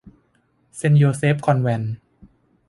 เซนต์โยเซฟคอนแวนต์